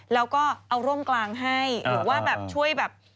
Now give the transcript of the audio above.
แล้วก็เอาร่มกลางให้หรือว่าแบบช่วยแบบ